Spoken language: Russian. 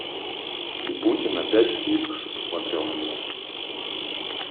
Липутин опять искоса посмотрел на меня.